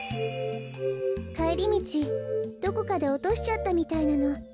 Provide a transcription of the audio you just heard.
かえりみちどこかでおとしちゃったみたいなの。